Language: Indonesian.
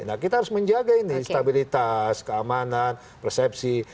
nah kita harus menjaga ini stabilitas keamanan persepsi